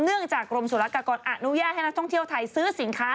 จากกรมสุรกากรอนุญาตให้นักท่องเที่ยวไทยซื้อสินค้า